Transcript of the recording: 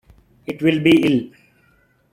It will be ill.